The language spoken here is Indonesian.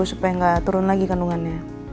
supaya nggak turun lagi kandungannya